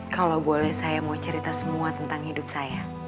kalau boleh saya mau cerita semua tentang hidup saya